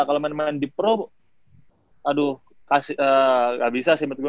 kalau main main di pro aduh gak bisa sih menurut gue